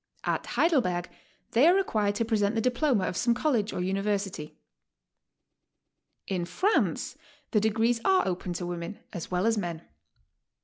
At Heiidelberg they are required to present the diploma of some college or uni versity. In France the degrees are open to women as well as men.